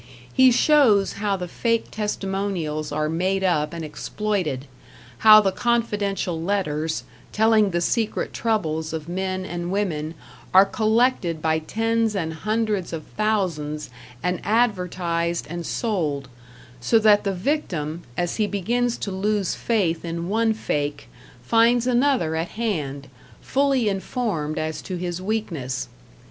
He shows how the fake testimonials are made up and exploited; how the confidential letters, telling the secret troubles of men and women, are collected by tens and hundreds of thousands and advertised and sold so that the victim, as he begins to lose faith in one fake, finds another at hand, fully informed as to his weakness.